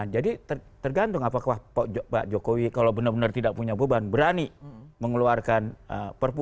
jadi tergantung apa pak jokowi kalau benar benar tidak punya beban berani mengeluarkan perpu